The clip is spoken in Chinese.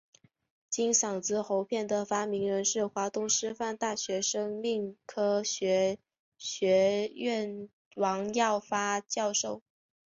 金嗓子喉片的发明人是华东师范大学生命科学学院王耀发教授。